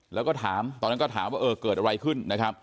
แล้วก็ถามตอนนั้นก็ถามว่าเออเกิดอะไรขึ้นนะครับ